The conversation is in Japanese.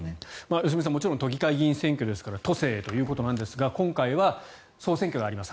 良純さん、もちろん都議会議員選挙ですから都政ということなんですが今回は秋に総選挙があります。